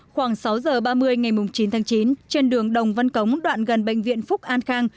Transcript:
khoảng sáu giờ ba mươi ngày chín tháng chín trên đường đồng văn cống đoạn gần bệnh viện phúc an khang